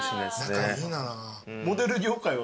仲いいな。